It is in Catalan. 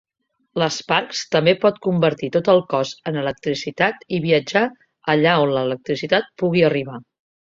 L'Sparks també pot convertir tot el cos en electricitat i viatjar allà on l'electricitat pugui arribar.